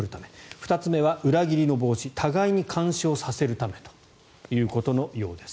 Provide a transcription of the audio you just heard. ２つ目は裏切りの防止互いに監視をさせるためということのようです。